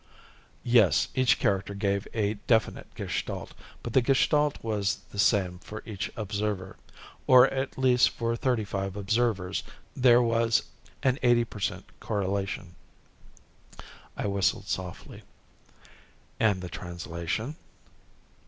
"Yes, each character gave a definite Gestalt. But, the Gestalt was the same for each observer. Or at least for thirty five observers there was an eighty per cent correlation." I whistled softly. "And the translation?"